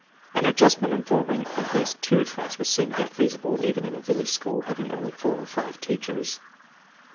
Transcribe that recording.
An adjustment involving at least two tracks would seem to be feasible even in a village school having only four or five teachers.